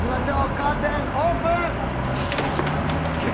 カーテンオープン！